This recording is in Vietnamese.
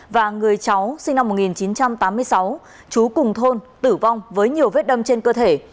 và người cháu sinh năm một nghìn chín trăm tám mươi sáu trú cùng thôn tử vong với nhiều vết đâm trên cơ thể